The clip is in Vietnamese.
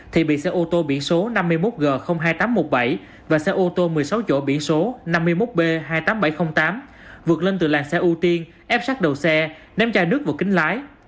thì bị xe ô tô biển số năm mươi một g hai nghìn tám trăm một mươi bảy và xe ô tô một mươi sáu chỗ biển số năm mươi một b hai mươi tám nghìn bảy trăm linh tám vượt lên từ làng xe ưu tiên ép sát đầu xe ném chai nước vào kính lái